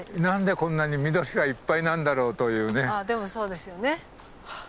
あでもそうですよね。